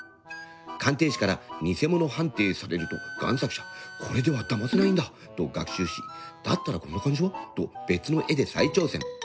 鑑定士からニセ物判定されるとがん作者「これでは騙せないんだ」と学習し「だったらこんな感じは？」と別の絵で再挑戦。